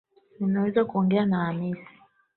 Ninaweza kuongea na hamisi